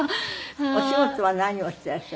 お仕事は何をしていらっしゃる。